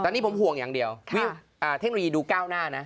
ตอนนี้ผมห่วงอย่างเดียวเทคโนโลยีดูก้าวหน้านะ